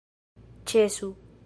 ĉesu